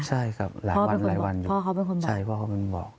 ใช่ครับหลายวันหลายวันอยู่พ่อเขาเป็นคนบอกใช่พ่อเขาเป็นคนบอก